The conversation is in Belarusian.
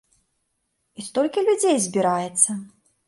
І столькі людзей збіраецца!